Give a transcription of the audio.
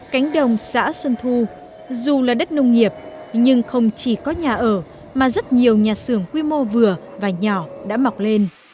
cánh đồng xã xuân thu dù là đất nông nghiệp nhưng không chỉ có nhà ở mà rất nhiều nhà xưởng quy mô vừa và nhỏ đã mọc lên